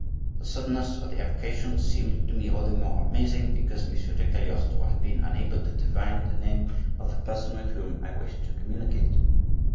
The suddenness of the evocation seemed to me all the more amazing because Monsieur de Cagliostro had been unable to divine the name of the person with whom I wished to communicate.